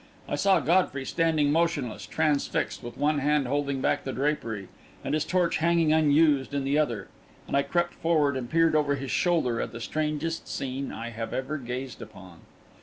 I saw Godfrey standing motionless, transfixed, with one hand holding back the drapery, and his torch hanging unused in the other, and I crept forward and peered over his shoulder at the strangest scene I have ever gazed upon.